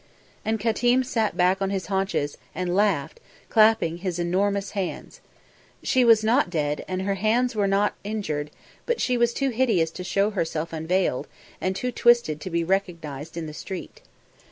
And Qatim sat back on his haunches, and laughed, clapping his enormous hands. She was not dead, and her hands were not injured, but she was too hideous to show herself unveiled and too twisted to be recognised in the street.